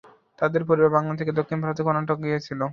তাদের পরিবার বাংলা থেকে দক্ষিণ ভারতের কর্ণাটকে গিয়েছিল।